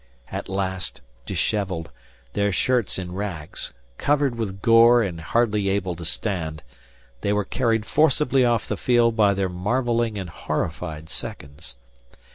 At last, dishevelled, their shirts in rags, covered with gore and hardly able to stand, they were carried forcibly off the field by their marvelling and horrified seconds.